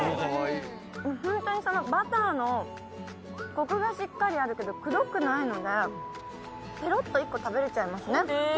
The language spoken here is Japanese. ホントにそのバターのコクがしっかりあるけどくどくないのでペロッと１個食べられちゃいますね。